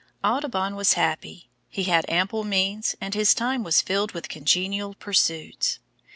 Audubon was happy. He had ample means, and his time was filled with congenial pursuits.